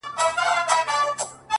چي توري څڼي پرې راوځړوې _